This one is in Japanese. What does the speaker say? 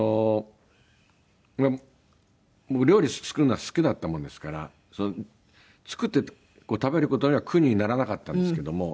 僕料理作るのが好きだったものですから作って食べる事には苦にならなかったんですけども。